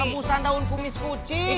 rebusan daun kumis kucing